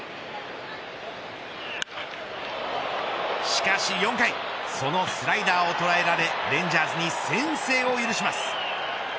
しかし４回そのスライダーを捉えられレンジャーズに先制を許します。